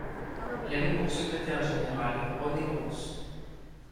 Il avait pour secrétaire général René Groos.